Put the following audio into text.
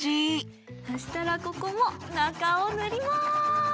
そしたらここもなかをぬります！